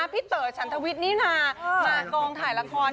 พี่เต๋อฉันทวิทย์นี่นามากองถ่ายละคร